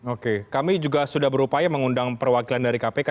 oke kami juga sudah berupaya mengundang perwakilan dari kpk